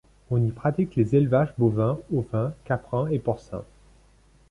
On y pratique les élevages bovin, ovin, caprin et porcin.